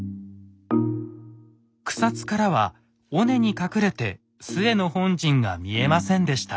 草津からは尾根に隠れて陶の本陣が見えませんでした。